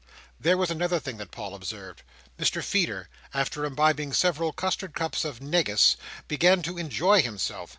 There was another thing that Paul observed. Mr Feeder, after imbibing several custard cups of negus, began to enjoy himself.